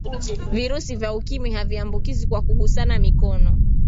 virusi vya ukimwi haviambukizwi kwa kugusana mikono